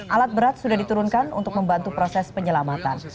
alat berat sudah diturunkan untuk membantu proses penyelamatan